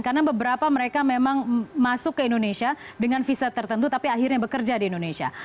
karena beberapa mereka memang masuk ke indonesia dengan visa tertentu tapi akhirnya bekerja di indonesia